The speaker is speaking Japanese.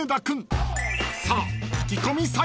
［さあ］